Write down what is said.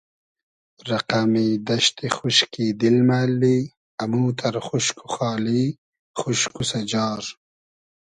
رئقئمی دئشتی خوشکی دیل مۂ اللی اموتئر خوشک و خالی خوشک و سئجار